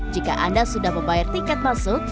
jika anda sudah membayar tiket masuk